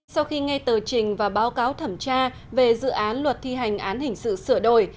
sau khi nghe tờ trình và báo cáo thẩm tra về dự án luật thi hành án hình sự sửa đổi